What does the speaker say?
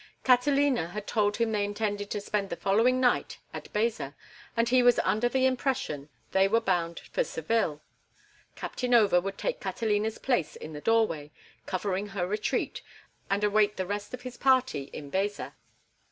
Catalina had told him they intended to spend the following night at Baeza, and he was under the impression they were bound for Seville. Captain Over would take Catalina's place in the doorway, covering her retreat, and await the rest of his party in Baeza.